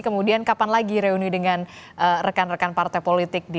kemudian kapan lagi reuni dengan rekan rekan partai politik